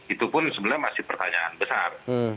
itu pun sebenarnya masih pertanyaan besar